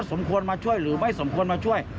สมควรมาช่วยหรือไม่สมควรมาช่วย